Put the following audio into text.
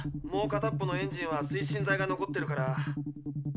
もうかたっぽのエンジンは推進剤が残ってるから。